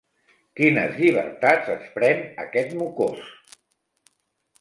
Quines llibertats es pren, aquest mocós!